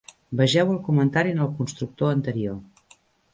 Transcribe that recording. Vegeu el comentari en el constructor anterior.